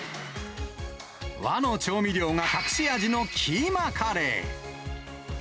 和の調味料が隠し味のキーマカレー。